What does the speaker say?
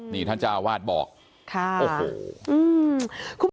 นี่ท่านเจ้าวาดบอกค่ะโอ้โห